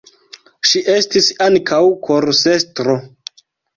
Ŝi estis ankaŭ korusestro.